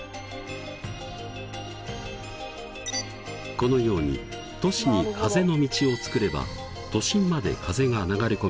このように都市に風の道を作れば都心まで風が流れ込み